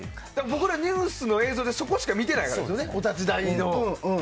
僕らニュースの映像でそこしか見てないからですよね。